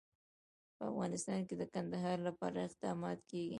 په افغانستان کې د کندهار لپاره اقدامات کېږي.